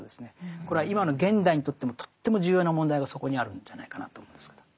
これは今の現代にとってもとっても重要な問題がそこにあるんじゃないかなと思うんですけど。